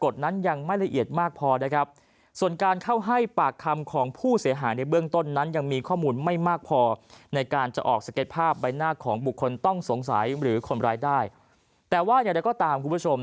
ถึงสือคนร้ายได้แต่ว่าเราก็ตามคุณผู้ชม